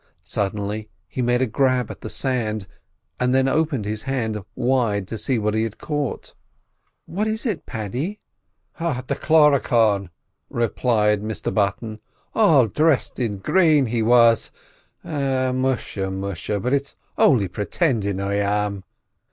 Suddenly he made a grab at the sand, and then opened his hand wide to see what he had caught. "What is it, Paddy?" "The Cluricaune," replied Mr Button. "All dressed in green he was—musha! musha! but it's only pretindin' I am."